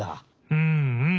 うんうん！